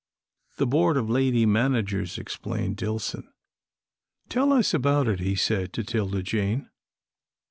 "The board of lady managers," explained Dillson. "Tell us about it," he said to 'Tilda Jane.